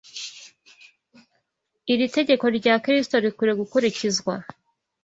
Iri tegeko rya Kristo rikwiriye gukurikizwa